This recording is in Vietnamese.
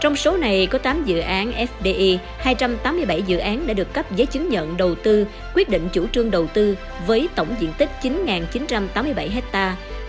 trong số này có tám dự án fdi hai trăm tám mươi bảy dự án đã được cấp giấy chứng nhận đầu tư quyết định chủ trương đầu tư với tổng diện tích chín chín trăm tám mươi bảy hectare